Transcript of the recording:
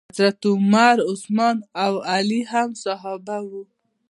حضرت عمر، عثمان او علی هم صحابه وو.